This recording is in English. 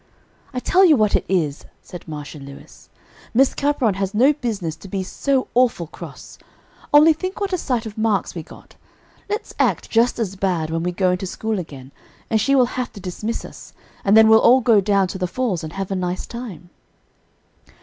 "I tell you what it is," said Marcia Lewis, "Miss Capron has no business to be so awful cross. Only think what a sight of marks we got. Let's act just as bad when we go into school again, and she will have to dismiss us, and then we'll all go down to the falls and have a nice time."